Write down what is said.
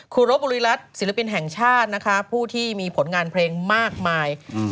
รบบุรีรัฐศิลปินแห่งชาตินะคะผู้ที่มีผลงานเพลงมากมาย